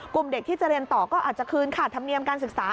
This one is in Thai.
เด็กที่จะเรียนต่อก็อาจจะคืนขาดธรรมเนียมการศึกษา